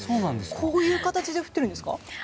こういう形で降っているんですか。